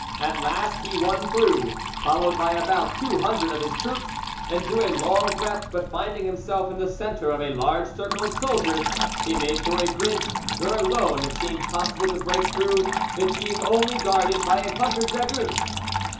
At last he won through, followed by about two hundred of his troops, and drew a long breath; but finding himself in the centre of a large circle of soldiers, he made for a bridge, where alone it seemed possible to break through, it being only guarded by a hundred dragoons.